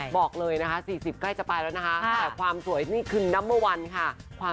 บอกเลยนะคะสี่สิบใกล้จะไปแล้วนะคะ